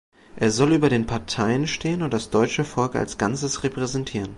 Er soll über den Parteien stehen und das deutsche Volk als Ganzes repräsentieren.